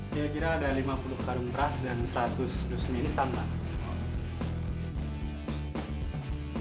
kira kira ada lima puluh karung beras dan satu ratus dua puluh minstam pak